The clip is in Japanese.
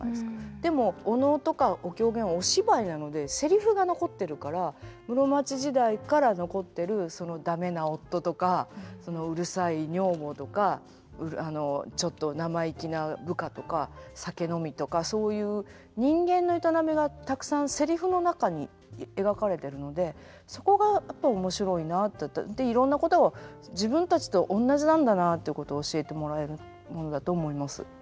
でもお能とかお狂言お芝居なのでセリフが残ってるから室町時代から残ってるその駄目な夫とかうるさい女房とかちょっと生意気な部下とか酒飲みとかそういう人間の営みがたくさんせリフの中に描かれてるのでそこがやっぱり面白いなって。でいろんなことを自分たちとおんなじなんだなっていうことを教えてもらえるものだと思います。